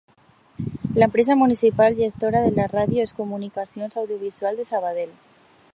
L'empresa municipal gestora de la ràdio és Comunicacions Audiovisuals de Sabadell.